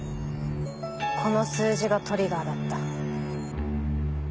この数字がトリガーだった。